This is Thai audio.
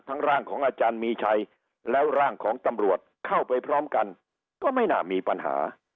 ร่างของอาจารย์มีชัยแล้วร่างของตำรวจเข้าไปพร้อมกันก็ไม่น่ามีปัญหา